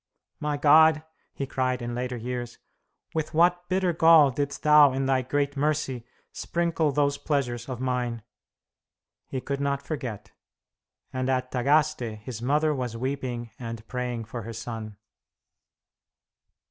"My God," he cried in later years, "with what bitter gall didst Thou in Thy great mercy sprinkle those pleasures of mine!" He could not forget; and at Tagaste his mother was weeping and praying for her son.